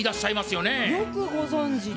よくご存じで。